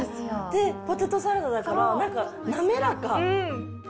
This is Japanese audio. ポテトサラダだからなんか滑らか。